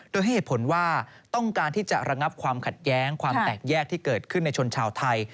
โดยให้เหตุผลว่าต้องการที่จะระงับความขัดแย้งความแตกแยกที่เกิดขึ้นในชนชาวไทย